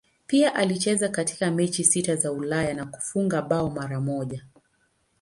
Pia alicheza katika mechi sita za Ulaya na kufunga bao mara moja.